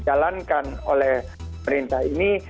dijalankan oleh pemerintah ini